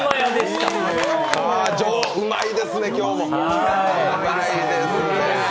うまいですね、今日も。